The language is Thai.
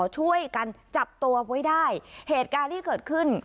ช่วยกันจับตัวไว้ได้เหตุการณ์ที่เกิดขึ้น